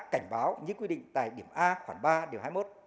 cảnh báo những quy định tại điểm a khoảng ba điều hai mươi một